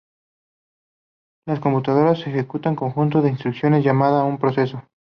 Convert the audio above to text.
Las computadoras ejecutan conjuntos de instrucciones llamadas un proceso.